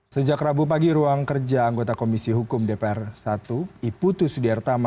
sejak rabu pagi ruang kerja anggota komisi hukum dpr satu iputu sudiartama